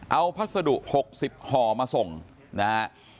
เอาพัศดุ๖๐ห่อมาส่งนะครับ